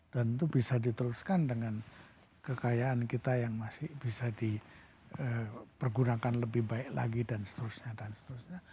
dan itu bisa diteruskan dengan kekayaan kita yang masih bisa dipergunakan lebih baik lagi dan seterusnya